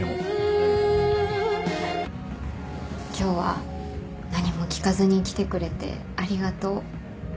今日は何も聞かずに来てくれてありがとう。